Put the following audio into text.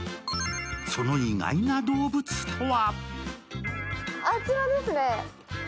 その意外な動物とは？